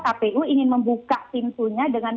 kpu ingin membuka pintunya dengan